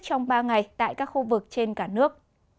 trong ba ngày tại các khu vực trên cả nước